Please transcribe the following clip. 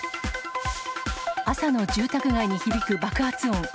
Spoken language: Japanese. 朝の住宅街に響く爆発音。